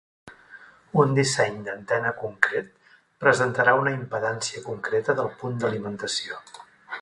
Un disseny d'antena concret presentarà una impedància concreta del punt d'alimentació.